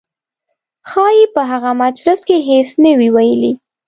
ښایي په هغه مجلس کې هېڅ نه وي ویلي.